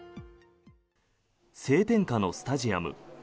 晴天下のスタジアム。